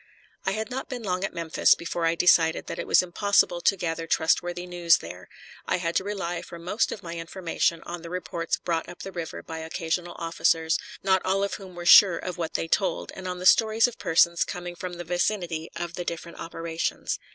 I had not been long at Memphis before I decided that it was impossible to gather trustworthy news there. I had to rely for most of my information on the reports brought up the river by occasional officers, not all of whom were sure of what they told, and on the stories of persons coming from the vicinity of the different operations.